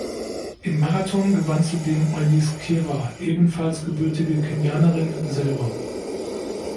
Im Marathon gewann zudem Eunice Kirwa, ebenfalls gebürtige Kenianerin, Silber.